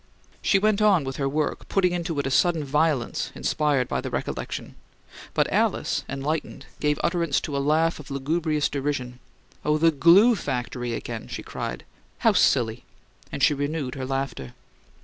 She went on with her work, putting into it a sudden violence inspired by the recollection; but Alice, enlightened, gave utterance to a laugh of lugubrious derision. "Oh, the GLUE factory again!" she cried. "How silly!" And she renewed her laughter.